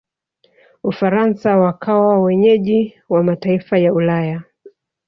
ufaransa wakawa wenyeji wa mataifa ya ulaya